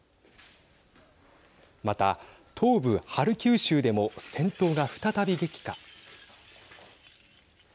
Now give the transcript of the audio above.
また、東部ハルキウ州でも戦闘が再び激化。